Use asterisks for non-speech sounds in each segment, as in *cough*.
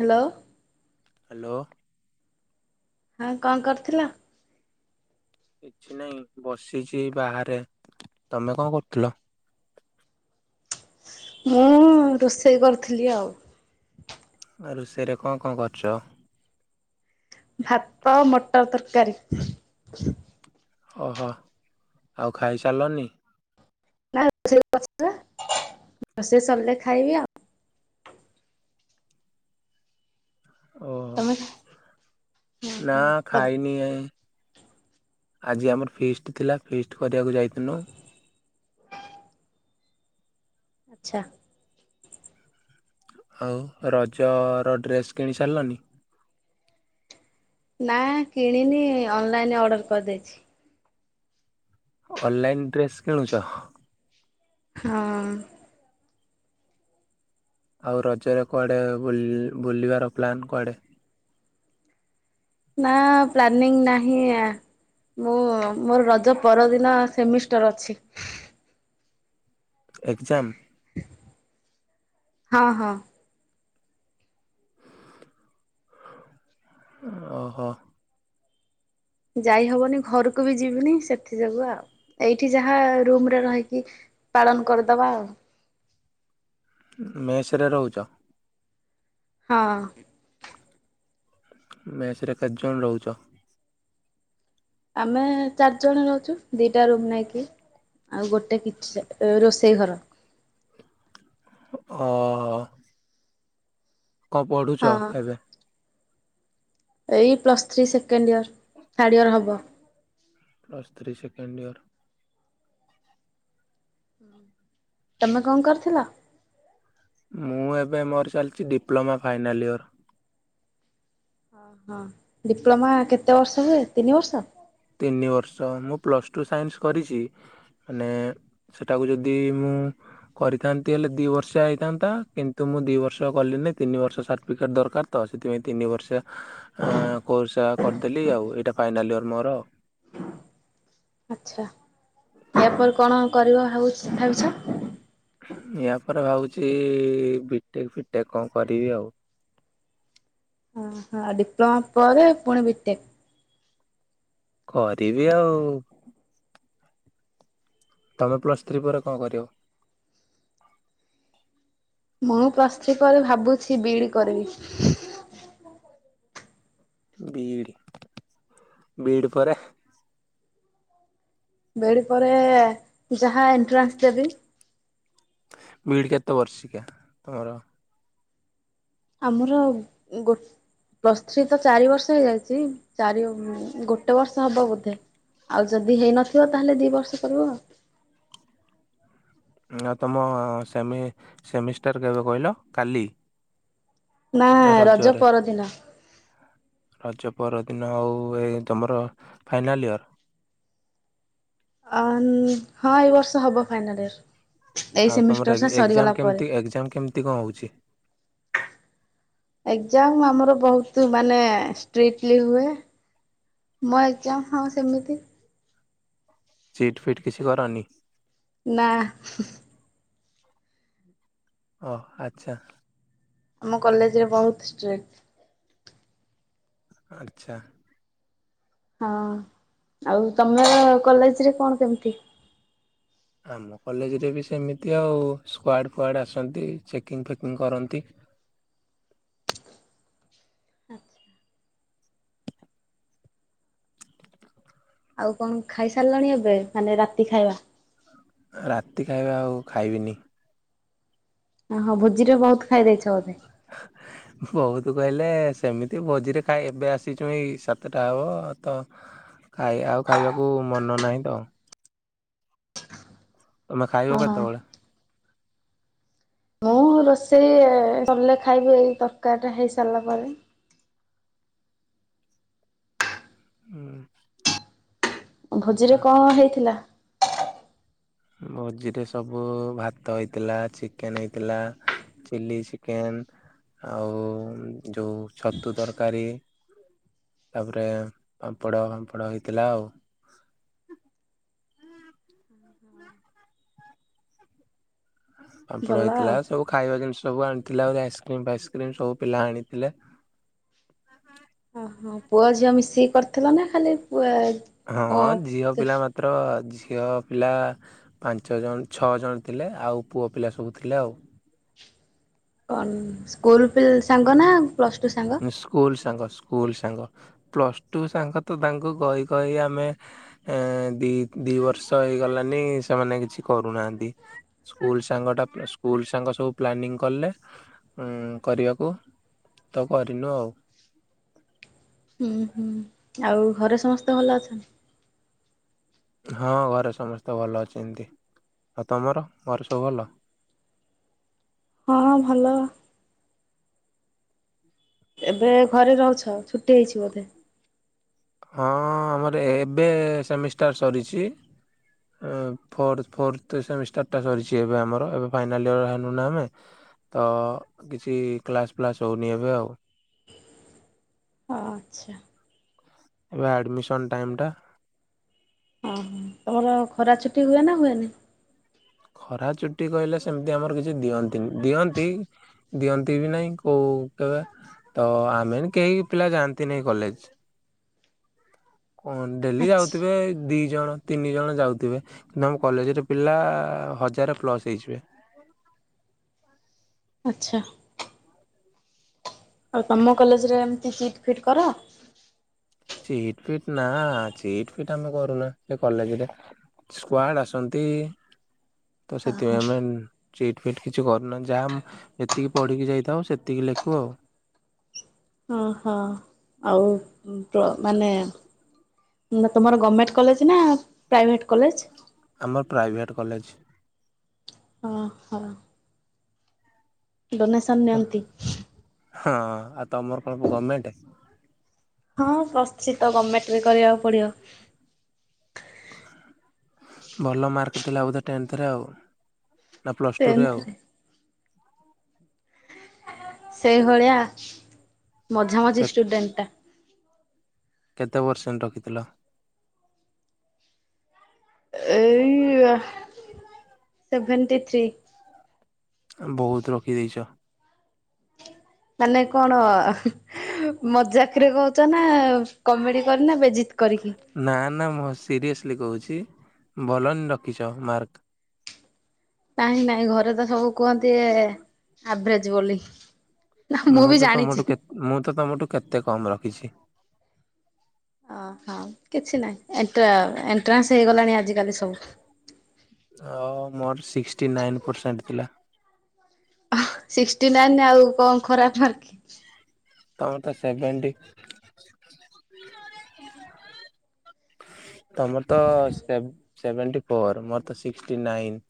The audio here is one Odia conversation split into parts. ହ୍ୟାଲୋ ହ୍ୟାଲୋ ହଁ କଣ କରୁଥିଲ? କିଛି ନାଇଁ ବସିଛି ଏଇ ବାହାରେ, ତମେ କଣ କରୁଥୁଲ? ମୁଁ ରୋଷେଇ କରିଥିଲି ଆଉ। ଆ ରୋଷେଇରେ କଣ କଣ କରିଚ? ଭାତ, ମଟର ତରକାରୀ। ଓହୋ, ଆଉ ଖାଇସାରିଲନି? ନାଁ *unintelligible* ରୋଷେଇ ସରିଲେ ଖାଇବି ଆଉ। ଓହୋ ତମେ? ନା ହଁ ତ ଖାଇନି କାଇଁ? ଆଜି ଆମର ଫିଷ୍ଟ ଥିଲା ଫିଷ୍ଟ କରିବାକୁ ଯାଇଥିନୁ। ଆଚ୍ଛା। ଆଉ ରଜର ଡ୍ରେସ୍ କିଣି ସାରିଲନି? ନାଁ କିଣିନି ଅନଲାଇନ ଅର୍ଡ଼ର କରିଦେଇଛି। ଅନଲାଇନ୍ ଡ୍ରେସ୍ କିଣୁଛ? ହଁ ଆଉ ରଜରେ କୁଆଡ଼େ ବୁଲ୍ ବୁଲିବାର ପ୍ଲାନ୍ କୁଆଡ଼େ? ନାଁ ପ୍ଲାନିଂ ନାହିଁ ଆ। ମୁଁ ମୋର ରଜ ପରଦିନ ସେମିଷ୍ଟର ଅଛି। ଏକ୍ଜାମ୍? ହଁ, ହଁ। ଓହୋ। ଯାଇହବନି ଘରକୁ ବି ଯିବିନି ସେଥି ଯୋଗୁ ଆଉ, ଏଇଠି ଯାହା ରୁମ୍ ରେ ରହିକି ପାଳନ କରିଦବା ଆଉ। ମେସ୍ ରେ ରହୁଛ? ହଁ ମେସ୍ ରେ କେତେ ଜଣ ରହୁଛ? ଆମେ ଚାରିଜଣ ରହୁଛୁ ଦିଇଟା ରୁମ୍ ନେଇକି। ଆଉ ଗୋଟେ କିଛି ଏ ରୋଷେଇ ଘର। ଅହୋ। କଣ ପଢ଼ୁଛ ହଁ ଏବେ? ଏଇ plus three second year third year ହବ। Plus three second year. ହୁଁ। ତମେ କଁ କରିଥିଲ। ମୁଁ ଏବେ ମୋର ଚାଲିଛି ଡିପ୍ଲୋମା ଫାଇନାଲ୍ ଇୟର୍। ଓ ହୋ ଡିପ୍ଲୋମା କେତେ ବର୍ଷ ହୁଏ ତିନି ବର୍ଷ। ତିନି ବର୍ଷ ମୁଁ ପ୍ଲସ୍ ଟୁ ସାଇନ୍ସ କରିଛି ହେନେ। ସେଟାକୁ ଯଦି ମୁଁ। କରିଥାନ୍ତି ହେଲେ ଦି ବର୍ଷିଆ ହେଇଥାନ୍ତା କିନ୍ତୁ ମୁଁ ଦି ବର୍ଷ କଲି ନି ତିନି ବର୍ଷ ସାର୍ଟିଫିକେଟ୍ ଦରକାର। ତ ସେଥିପାଇଁ ତିନି ବର୍ଷିଆ ଆଁ କୋର୍ସ କରିଦେଲି ଆଉ ଏଇଟା ଫାଇନାଲ୍ ଇୟର୍ ମୋର। ଆଛା ୟା ପରେ କଣ କରିବ ଭାବୁ ଭାବିଛ। ୟା ପରେ ଭାବୁଛି ବିଟେକ୍ ଫିଟେକ୍ କଁ କରିବି ଆଉ। ଓ ହୋ ଡିପ୍ଲୋମା ପରେ ପୁଣି ବିଟେକ୍। କରିବି ଆଉ। ତମେ ପ୍ଲସ୍ ଥ୍ରୀ ପରେ କଣ କରିବ। ମୁଁ ପ୍ଲଥ୍ରୀ ପରେ ଭାବୁଛି ବି ଇ ଡି କରିବି। ବି E D B E D ପରେ। ବି ଇ ଡି ପରେ ଯାହା ଏଣ୍ଟ୍ରାନ୍ସ ଦେବି। ବି ଇ ଡି କେତେ ବର୍ଷିକିଆ ତମର। ଆମର ଗୋଟ୍ ପ୍ଲସ୍ ଥ୍ରୀ ତ ଚାରି ବର୍ଷ ହେଇଯାଇଛି ଚାରି ଗୋଟେ ବର୍ଷ ହବ ବୋଧେ। ଆଉ ଯଦି ହେଇନଥିବ ତାହେଲେ ଦୀ ବର୍ଷ କରିବ ଆଉ। ଆଉ ତୁମ ସେମି ସେମିଷ୍ଟାର କେବେ କହିଲ କାଲି। ନା ରଜ ପରଦିନ। ରଜ ପର ଦିନ ଆଉ ଏ ତୁମର ଫାଇନାଲ୍ ଇୟର୍। ଅ ନ୍ ହଁ ଏଇ ବର୍ଷ ହବ ଫାଇନାଲ ଇୟର। ଏଇ ଆଉ ସେମିଷ୍ଟର ତୁମର ଟା ସରିଗଲା ଏକ୍ଜାମ ପରେ। କେମିତି ଏକ୍ଜାମ କେମିତି କଁ ହଉଛି। ଏକ୍ଜାମ ଆମର ବହୁତ ମାନେ ଷ୍ଟ୍ରିକ୍ଟଲି ହୁଏ। ମୋ ଏକ୍ଜାମ ହଁ ସେମିତି। ଚିଟ୍ ଫିଟ୍ କିଛି କରନି। ନାଁ ହୁଁ ହୁଁ। ଓ ଆଚ୍ଛା। ଆମ କଲେଜରେ ବହୁତ ଷ୍ଟ୍ରିକ୍ଟ୍। ଆଚ୍ଛା। ହଁ ଆଉ ତମର କଲେଜ ରେ କଣ କେମିତି। ଆମ କଲେଜରେ ବି ସେମିତି ଆଉ ସ୍କ୍ୱାର୍ଡ ଫ୍ର୍ଵାର୍ଡ ଆସନ୍ତି ଚେକିଂ ଫେକିଂ କରନ୍ତି। ଆଉ କଣ ଖାଇ ସାରିଲାଣି ଏବେ ମାନେ ରାତି ଖାଇବା। ରାତି ଖାଇବା ଆଉ ଖାଇବିନି। ଓ ହୋ ଭୋଜିରେ ବହୁତ ଖାଇ ଦେଇଛ ବୋଧେ। ବହୁତ କହିଲେ ସେମିତି ଭୋଜିରେ ଖାଇ ଏବେ ଆସିଛୁ ଏଇ ସାତଟା ହବ ତ। ଖାଇ ଆଉ ଖାଇବାକୁ ମନ ନାହିଁ ତ। ତମେ ଖାଇବ ଓହୋ କେତେବେଳେ। ମୁଁ ରୋଷେଇ ସରିଲେ ଖାଇବି ଏଇ ତରକାରୀ ଟା ହେଇ ସାରିଲା ପରେ। ଉଁ। ଭୋଜିରେ କଁ ହେଇଥିଲା। ଭୋଜିରେ ସବୁ ଭାତ ହେଇଥିଲା ଚିକେନ ହେଇଥିଲା। ଚିଲି ଚିକେନ ଆଉ ଯୋଉ ଛତୁ ତରକାରୀ। ତାପରେ ପାାମ୍ପଡ଼ ଫାମ୍ପଡ଼ ହେଇଥିଲା ଆଉ। ହଁ। ପାମ୍ପଡ଼ ଭଲ ହେଇଥିଲା ଆଉ। ସବୁ ଖାଇବା ଜିନିଷ ସବୁ ଆଣିଥିଲା ଆଇସ୍କ୍ରିମ୍ ଫାଇସ୍କ୍ରିମ୍ ସବୁ ପିଲା ଆଣିଥିଲେ। ଓହୋ ପୁଅ ଝିଅ ମିଶିକି କରିଥିଲ ନା ଖାଲି ପୁ ହଁ ଝିଅ ପିଲା ମାତ୍ର ଝିଅ ପିଲା ପାଞ୍ଚ ଜଣ ଛଅ ଜଣ ଥିଲେ ଆଉ ପୁଅ ପିଲା ସବୁ ଥିଲେ ଆଉ। କଣ ସ୍କୁଲ ପି ସାଙ୍ଗ ନା ପ୍ଲସ ଟୁ ସାଙ୍ଗ? ସ୍କୁଲ ସାଙ୍ଗ ସ୍କୁଲ ସାଙ୍ଗ ପ୍ଲସ୍ ଟୁ ସାଙ୍ଗ ତ ତାଙ୍କୁ କହି କହି ଆମେ ଏ ଦି ଦି ବର୍ଷ ହେଇଗଲାନି ସେମାନେ କିଛି କରୁନାହାନ୍ତି। ସ୍କୁଲ୍ ସାଙ୍ଗଟା ସ୍କୁଲ୍ ସାଙ୍ଗ ସବୁ ପ୍ଲାନିଂ କଲେ ଉ କରିବାକୁ। ତ କରିନୁ ଆଉ। ହୁଁ ହୁଁ ଆଉ ଘରେ ସମସ୍ତେ ଭଲ ଅଛନ୍ତି? ହଁ ଘରେ ସମସ୍ତେ ଭଲ ଅଛନ୍ତି ଆଉ ତମର ଘରେ ସବୁ ଭଲ? ହଁ ଭଲ। ଏବେ ଘରେ ରହୁଛ ଛୁଟି ହେଇଛି ବୋଧେ? ହଁ ଆମର ଏବେ ସେମିଷ୍ଟାର ସରିଛି। ଫୋର୍ଥ ଫୋର୍ଥ ସେମିଷ୍ଟାର୍ଟଟା ସରିଛି ଏବେ ଆମର ଏବେ ଫାଇନାଲ୍ ଇୟର ହେଲୁନା ଆମେ। ତ କିଛି କ୍ଲାସ୍ ଫ୍ଲାସ୍ ହଉନି ଏବେ ଆଉ। ଆ ଆଚ୍ଛା। ଏବେ ଆଡ଼ମିସନ୍ ଟାଇମ୍ ଟା। ଓହୋ ତମର ଖରା ଛୁଟି ହୁଏ ନା ହୁଏନି? ଖରା ଚୁଟି କହିଲେ ସେମିତି ଆମର କିଛି ଦିଅନ୍ତିନି ଦିଅନ୍ତି ଦିଅନ୍ତି ବି ନାଇଁ କୋଉ କେବେ ତ ଆମେ କେହି ପିଲା ଯାଆନ୍ତି ନାହିଁ କଲେଜ। କଣ ଡେଲି ଆଚ୍ଛା ଯାଉଥିବେ ଦୁଇ ଜଣ ତିନି ଜଣ ଯାଉଥିବେ କିନ୍ତୁ ଆମ କଲେଜରେ ପିଲା ହଜାରେ ପ୍ଲସ୍ ହେଇଯିବେ। ଆଚ୍ଛା। ଆଉ ତମ କଲେଜ ରେ ଏମିତି ଚିଟ ଫିଟ କର? ଚିଟ ଫିଟ ନା ଚିଟ ଫିଟ ଆମେ କରୁନା ସେ କଲେଜରେ। ସ୍କ୍ୱଡ ଆସନ୍ତି ତ ଓହୋ ସେଥିପାଇଁ ଆମେ ଚ୍ରିଟ୍ ଫିଟ୍ କିଛି କରୁନାଁ ଯାହାମ ଯେତିକି ପଢ଼ିକି ଯାଇଥାଉ ସେତିକି ଲେଖୁ ଆଉ। ହଁ ହଁ ଆଉ *unintelligible* ମାନେ ନା ତୁମର ଗଭର୍ଣ୍ଣମେଣ୍ଟ କଲେଜ ନା ପ୍ରାଇଭେଟ କଲେଜ? ଆମର ପ୍ରାଇଭେଟ୍ କଲେଜ। ଅ ହଁ। ଡୋନେସନ ତ ନିଅନ୍ତି। ହଁ ଆଉ ତମର କଣ ଗମେଣ୍ଟ? ହଁ ପ୍ରଶ୍ଚିତ ଗର୍ମେଣ୍ଟ ବି କରିବାକୁ ପଡିବ। ଭଲ ମାର୍କ ଥିଲା ବୋଧେ *unintelligible* ଆଉ ନା ପ୍ଲସ୍ ଟୁ ରେ ଆଉ। ଟେନ୍ଥରେ। ସେଇଭଳିଆ ମଝା ମଝି ଷ୍ଟୁଡେଣ୍ଟ ଟା। କେତେ ପସେଣ୍ଟେଯେ ରଖିଥିଲ? ଏ ଇ ଆ ସେଭେଣ୍ଟି ଥ୍ରୀ। ବହୁତ ରଖିଦେଇଛ। ମାନେ କଣ ଆ ହାଁ। ମଜାକରେ କହୁଛ ନା କମେଡି କରି ନା ବେଜିତ୍ କରି। ନା ନା ମୁଁ ସିରିଅସ୍ଲି କହୁଛି ଭଲ ରଖିଛ ମାର୍କ। ନାଇଁ ନାଇଁ ଘରେ ତ ସବୁ କୁହନ୍ତି ଏ ଆଭରେଜ ବୋଲି। ନା ମୁଁ ବି ତ ଜାଣିଛି ତମଠୁ ମୁଁ ତ ତମଠୁ କେତେ କମ ରଖିଛି। ଓହୋ କିଛି ନାହିଁ ଏଣ୍ଟ୍ର ଏଣ୍ଟ୍ରାନସ ହେଇଗଲାଣି ଆଜି କାଲି ସବୁ। ହ ମୋର ସିକ୍ସଟି ନାଇନ୍ ପରସେଣ୍ଟ ଥିଲା। ସିକ୍ସଟି ନାଇନ୍ ଆଉ କଣ ଖରାପ *unintelligible* କି ତମେ ତ ସେଭେଣ୍ଟି ତମର ତ ସେ ସେଭେଣ୍ଟି ଫୋର୍ ମୋର ତ ସିକ୍ସିଟି ନାଇନ୍।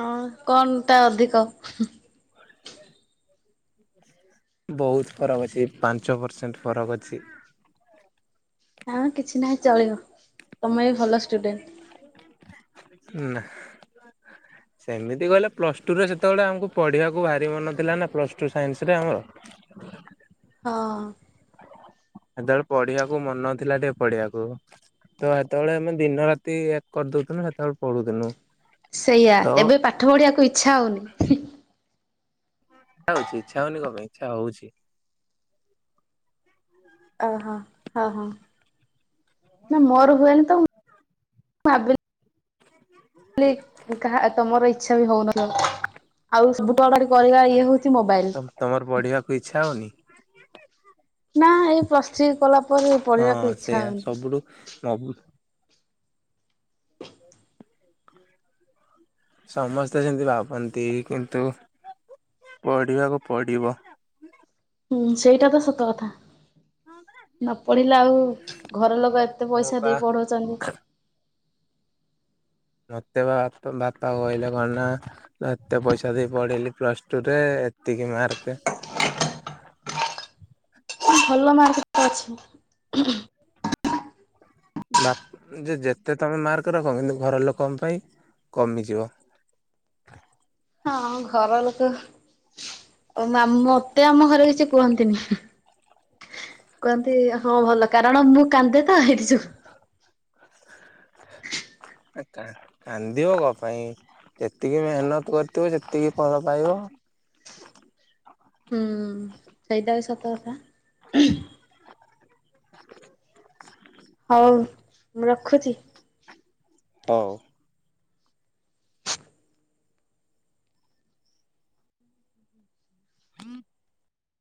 ହଁ କଣ ଟା ଅଧିକ? ବହୁତ ଫରକ ଅଛି ପାଞ୍ଚ ପରସେଣ୍ଟ ଫରକ ଅଛି। ହଁ କିଛି ନାହିଁ ଚଳିବ ତମେ ବି ଭଲ ଷ୍ଟୁଡେଣ୍ଟ। ନା ହଁ ସେମିତି କହିଲେ ପ୍ଲସ୍ ଟୁରେ ସେତେବେଳେ ଆମକୁ ପଢ଼ିବାକୁ ଭାରି ମନ ଥିଲା ନା ପ୍ଲସ୍ ଟୁ ସାଇନ୍ସରେ ଆମର। ହଁ ସେତେବେଳେ ପଢ଼ିବାକୁ ମନଥିଲା ଟିକେ ପଢ଼ିବାକୁ। ତ ସେତେବେଳେ ଆମେ ଦିନ ରାତି ଏକ କରିଦଉଥୁଲୁ ସେତବେଳେ ପଢୁଥିଲୁ। ସେଇଆ ତ ଏବେ ପାଠ ପଢ଼ିବାକୁ ଇଚ୍ଛା ହଉନି। ଇଛା ହଉଛି ଇଚ୍ଛା ହଉନି କଣପାଇଁ ଇଚ୍ଛା ହଉଛି। ଓହୋ ହଁ ହଁ। ନା ମୋର ହୁଏନି ତ ମୁ ଭାବିଲି ଭାବିଲି କାହା ତମର ଇଚ୍ଛା ବି ହଉନଥିବ। ଆଉ ସବୁ ତ ଖାଲି କରିବା ଇଏ ହଉଛି ମୋବାଇଲ। ତ ତମର ପଢ଼ିବାକୁ ଇଚ୍ଛା ହଉନି। ନା ଏଇ ପ୍ଲସ ଥ୍ରୀ କଲା ପରେ ପଢ଼ିବାକୁ ଇଚ୍ଛା ହଉନି। ହୁଁ ତା ବୋଲି ହ ସମସ୍ତେ ସେମିତି ଭାବନ୍ତି କିନ୍ତୁ ପଢ଼ିବାକୁ ପଡ଼ିବ। ହୁଁ ସେଇଟା ତ ସତ କଥା। ନ ପଢ଼ିଲେ ଆଉ ଘରଲୋକ ଏତେ ମୁଁ ପଇସା ବା ଦେଇ ପଢ଼ଉଛନ୍ତି। ମତେ ପା ବାପା କହିଲେ କଣନା ଏତେ ପଇସା ଦେଇ ପଢେଇଲି ପ୍ଲସ ଟୁ ରେ ଏତିକି ମାର୍କ *inaudible* ଭଲ ମାର୍କେ ତ ଅଛି। ବାପ ଯେ ଯେତେ ତମେ ମାର୍କ ରଖ କିନ୍ତୁ ଘର ଲୋକଙ୍କ ପାଇଁ କମିଯିବ। ହଁ ଘରଲୋକ ମତେ ଆମ ଘରେ କିଛି କୁହନ୍ତିନି। କୁହନ୍ତି ହଁ ଭଲ କାରଣ ମୁଁ କାନ୍ଦେ ତ ହେଇଥି ଯୋଗୁ। କାନ୍ଦିବ କ ପାଇଁ ଯେତିକି ମେହନତ କରିଥିବ ସେତିକି ଫଳ ପାଇବ। ହୁଁ ସେଇଟା ବି ସତ କଥା। ହଉ ମୁଁ ରଖୁଛି। ହଉ। *inaudible*